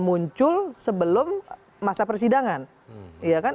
muncul sebelum masa persidangan